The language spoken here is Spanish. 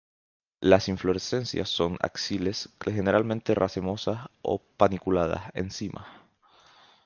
Las inflorescencias son axilares generalmente, racemosas o paniculadas, en cimas.